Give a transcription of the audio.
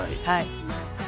はい。